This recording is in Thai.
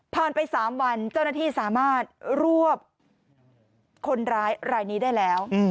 ไป๓วันเจ้าหน้าที่สามารถรวบคนร้ายรายนี้ได้แล้ว